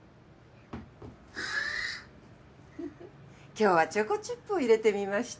今日はチョコチップを入れてみました。